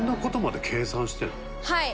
はい。